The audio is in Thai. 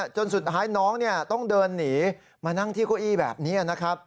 จนสุดท้ายน้องต้องเดินหนีมานั่งที่โค้ยแบบนี้